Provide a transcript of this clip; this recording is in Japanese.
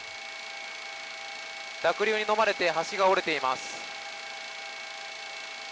濁流にのまれて橋が折れています。